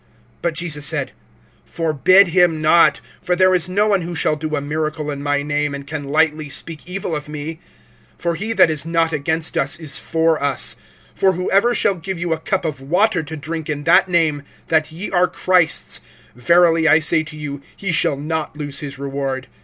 (39)But Jesus said: Forbid him not; for there is no one who shall do a miracle in my name, and can lightly speak evil of me. (40)For he that is not against us is for us. (41)For whoever shall give you a cup of water to drink in that name, that ye are Christ's, verily I say to you, he shall not lose his reward.